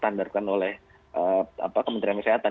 yang diturunkan oleh kementerian kesehatan